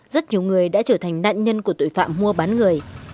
rất nhiều người đã trở thành nạn nhân của tội phạm mua bán người